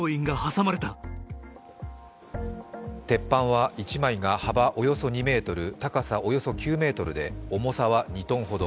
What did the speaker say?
鉄板は１枚が幅およそ２ｍ、高さおよそ９ｍで重さは２ｔほど。